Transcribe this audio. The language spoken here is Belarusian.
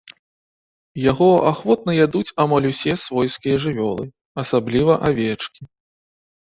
Яго ахвотна ядуць амаль усе свойскія жывёлы, асабліва авечкі.